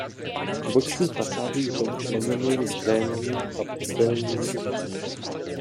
Boční fasády jsou členěny lizénami a obdélnými okny.